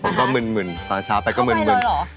ผมก็มึนตอนเช้าไปก็มึน